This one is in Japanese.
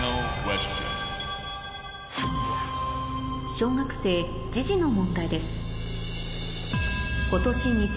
小学生時事の問題です